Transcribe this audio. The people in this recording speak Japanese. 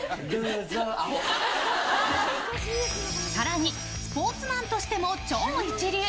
更にスポーツマンとしても超一流。